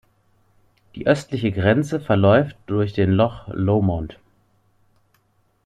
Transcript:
Die östliche Grenze verläuft durch den Loch Lomond.